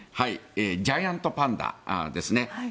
ジャイアントパンダですね。